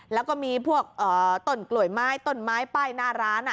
แล้วก็มีพวกต้นกลวยไม้ต้นไม้ป้ายหน้าร้าน